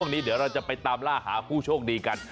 วันนี้เดี๋ยวเราจะไปตามล่าหาผู้โชคดีกัน